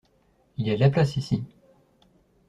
Il y a de la place ici.